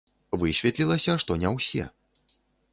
Высветлілася, што не ўсе.